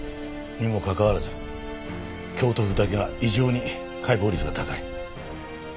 にもかかわらず京都府だけは異常に解剖率が高い。